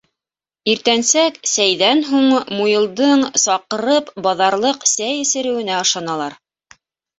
Иртәнсәк сәйҙән һуң Муйылдың саҡырып баҙарлыҡ сәй эсереүенә ышаналар: